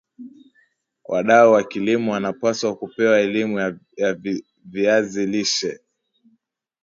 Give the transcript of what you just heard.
wadau wakilimo wanapaswa kupewa elimu ya viazi lishe